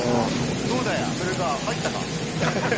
どうだい、アメリカ、まいったか。